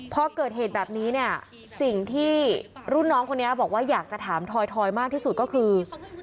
พอเกิดเหตุแบบนี้เนี่ยสิ่งที่รุ่นน้องคนนี้บอกว่าอยากจะถามทอยมากที่สุดก็คือ